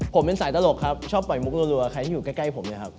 ผมเป็นสายตลกครับชอบปล่อยมุกรัวใครที่อยู่ใกล้ผมเนี่ยครับ